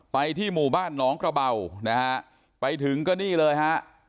ไปที่หมู่บ้านน้องกระเบ่านะครับไปถึงก็นี่เลยครับ